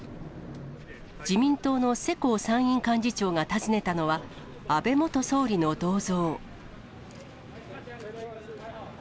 自民党の世耕参院幹事長が訪ねたのは、安倍元総理の銅像。